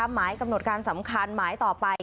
หมายกำหนดการสำคัญหมายต่อไป